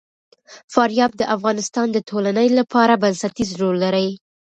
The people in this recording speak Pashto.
فاریاب د افغانستان د ټولنې لپاره بنسټيز رول لري.